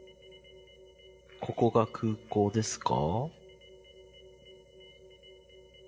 ここが空港ですか？